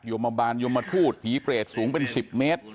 ดวงพิไปทสูงเป็น๑๐ม